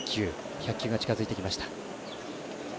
１００球が近づいてきました。